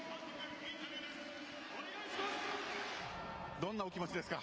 どんなお気持ちですか。